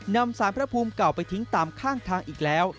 นำสารพระภูมิเก่าไปทิ้งตามข้างทางอีกแล้ว